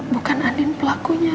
bukan anin pelakunya